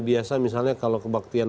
biasa misalnya kalau kebaktian